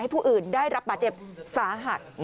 ผู้อื่นได้รับบาดเจ็บสาหัส